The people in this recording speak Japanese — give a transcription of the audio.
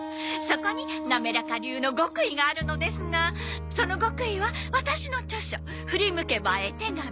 そこになめらか流の極意があるのですがその極意はワタシの著書『振り向けば絵手紙』